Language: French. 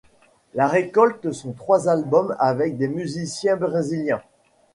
La récolte sont trois albums avec des musiciens brésiliens.